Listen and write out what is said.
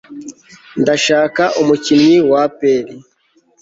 ndashaka umukinnyi wa apr